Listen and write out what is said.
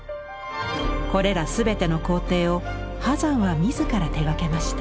これら全ての工程を波山は自ら手がけました。